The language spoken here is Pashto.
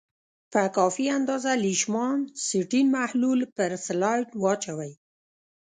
په کافي اندازه لیشمان سټین محلول پر سلایډ واچوئ.